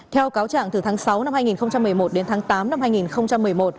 theo cáo trạng từ tháng sáu năm hai nghìn một mươi một đến tháng tám năm hai nghìn một mươi một